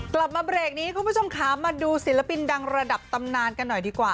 กลับมาเบรกนี้คุณผู้ชมค่ะมาดูศิลปินดังระดับตำนานกันหน่อยดีกว่า